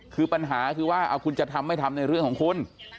คือปัญหาคือว่าคุณจะทำไม่ทำในเรื่องของคุณ